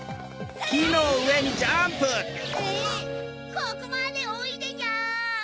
ここまでおいでニャ！